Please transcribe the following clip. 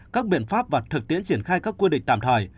các biện pháp và thực tiễn triển khai các quy định tạm thời